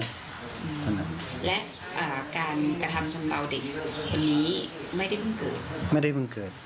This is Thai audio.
และการกระทำสำเบาเด็กวันนี้ไม่ได้เพิ่งเกิด